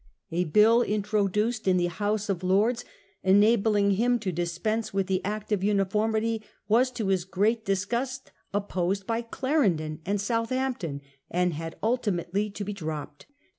A bill introduced in the House of Lords enabling him to dispense with the Act of Uni formity was to his great disgust opposed by Clarendon and Southampton, and had ultimately to be dropped.